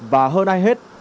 và hơn ai hết